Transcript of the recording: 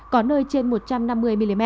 có nơi trên một trăm năm mươi mm